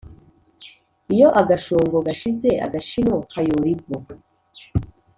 iyo agashungo gashize, agashino kayora ivu.